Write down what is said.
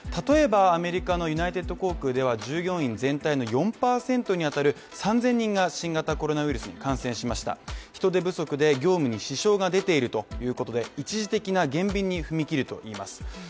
例えばアメリカのユナイテッド航空では従業員全体の４％にあたる３０００人が新型コロナウイルスに感染しました人手不足で業務に支障が出ているということで一時的な減便に踏み切るといいます